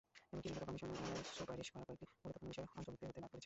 এমনকি বিগত কমিশনের সুপারিশ করা কয়েকটি গুরুত্বপূর্ণ বিষয় অন্তর্ভুক্তি হতে বাদ পড়েছে।